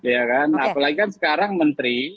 ya kan apalagi kan sekarang menteri